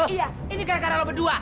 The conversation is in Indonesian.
iya ini gara gara lo berdua